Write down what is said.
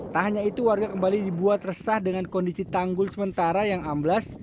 tak hanya itu warga kembali dibuat resah dengan kondisi tanggul sementara yang amblas